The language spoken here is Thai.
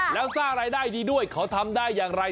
แล้วสร้างรายได้ดีด้วยเขาทำได้อย่างไร